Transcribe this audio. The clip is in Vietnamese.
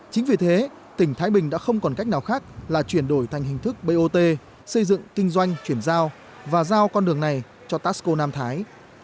chính vì thế tỉnh thái bình đã không còn cách nào khác là chuyển đổi thành hình thức bot xây dựng kinh doanh chuyển giao và giao con đường này cho tasco nam thái